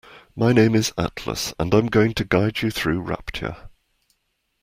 My name is Atlas and I'm going to guide you through Rapture.